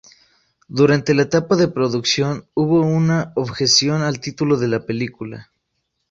Durante la etapa de producción, hubo una objeción al título de la película.